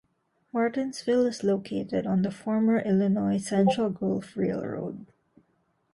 Martinsville is located on the former Illinois Central Gulf Railroad.